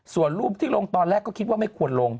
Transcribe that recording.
ส่วนรูปที่ลงตอนแรกก็คิดว่าไม่ควรลง